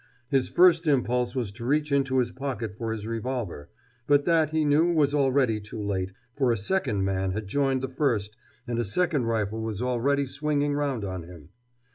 His first impulse was to reach into his pocket for his revolver. But that, he knew, was already too late, for a second man had joined the first and a second rifle was already swinging round on him.